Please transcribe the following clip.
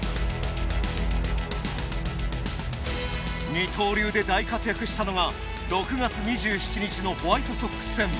二刀流で大活躍したのが６月２７日のホワイトソックス戦。